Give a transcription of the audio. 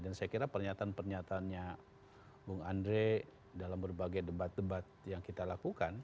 dan saya kira pernyataan pernyatanya bung andre dalam berbagai debat debat yang kita lakukan